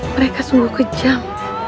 mereka sungguh kejam